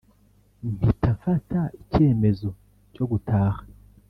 mpita mfata icyemezo cyo gutaha